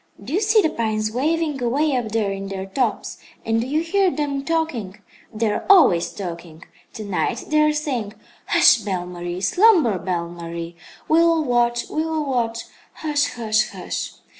"Do you see the pines waving, away up there in their tops, and do you hear them talking? They are always talking. To night they are saying: 'Hush, Belle Marie; slumber, Belle Marie; we will watch, we will watch, hush, hush, hush!'